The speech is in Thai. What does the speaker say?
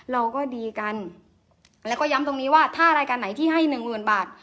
เราก็ดีกันแล้วก็ย้ำตรงนี้ว่าถ้ารายการไหนที่ให้หนึ่งหมื่นบาท